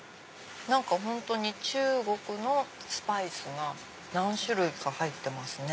何か本当に中国のスパイスが何種類か入ってますね。